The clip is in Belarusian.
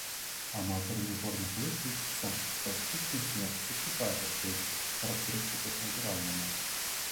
Аматарамі горных лыж лічыцца, што штучны снег саступае па сваіх характарыстыках натуральнаму.